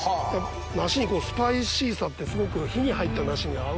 梨にスパイシーさってすごく火に入った梨に合うんで。